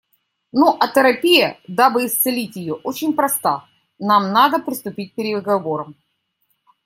Ну а терапия, дабы исцелить ее, очень проста: нам надо приступить к переговорам.